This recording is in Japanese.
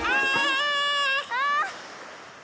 ああ！